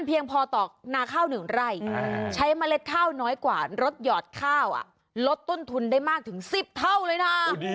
เพียงพอต่อนาข้าว๑ไร่ใช้เมล็ดข้าวน้อยกว่าลดหยอดข้าวลดต้นทุนได้มากถึง๑๐เท่าเลยนะ